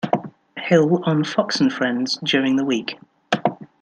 Hill on "Fox and Friends" during the week.